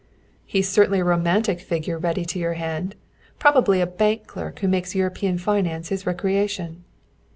"He's certainly a romantic figure ready to your hand. Probably a bank clerk who makes European finance his recreation."